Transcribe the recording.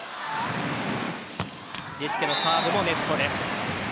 ジェシュケのサーブもネットです。